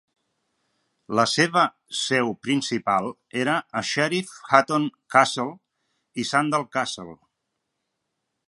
La seva seu principal era a Sheriff Hutton Castle i Sandal Castle.